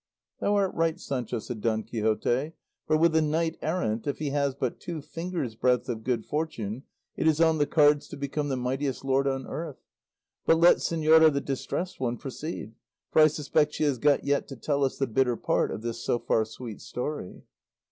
"Thou art right, Sancho," said Don Quixote, "for with a knight errant, if he has but two fingers' breadth of good fortune, it is on the cards to become the mightiest lord on earth. But let señora the Distressed One proceed; for I suspect she has got yet to tell us the bitter part of this so far sweet story."